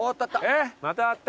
またあった！